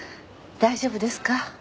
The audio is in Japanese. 大丈夫ですか？